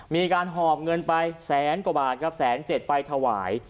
หอบเงินไปแสนกว่าบาทครับแสนเจ็ดไปถวาย